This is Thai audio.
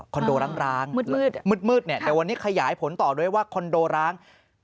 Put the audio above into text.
โดร้างมืดเนี่ยแต่วันนี้ขยายผลต่อด้วยว่าคอนโดร้าง